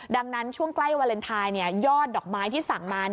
ดังนั้นช่วงใกล้วาเลนไทยยอดดอกไม้ที่สั่งมา